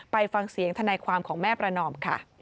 ไปฟังเสียงทนายความของแม่ประนอมค่ะ